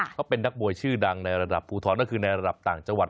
เขาเป็นนักมวยชื่อดังในระดับภูทรนั่นคือในระดับต่างจังหวัด